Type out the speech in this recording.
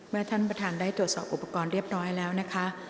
ท่านประธานได้ตรวจสอบอุปกรณ์เรียบร้อยแล้วนะคะ